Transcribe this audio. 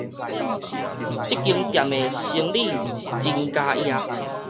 這間店的生理真交易